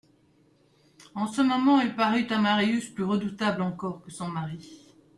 En ce moment elle parut à Marius plus redoutable encore que son mari.